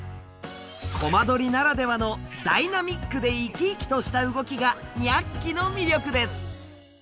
コマ撮りならではのダイナミックで生き生きとした動きがニャッキの魅力です。